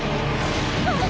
あっ！